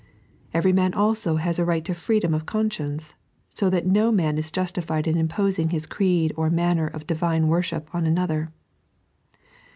Every man also has a right to freedom of conscience ; so that no man is justified in imposing his creed or manner of Divine worship on another.